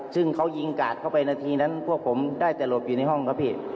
ซึ่งเขายิงกาดเข้าไปนาทีนั้นพวกผมได้แต่หลบอยู่ในห้องครับพี่